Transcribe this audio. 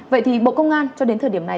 vậy thì bộ công an cho đến thời điểm này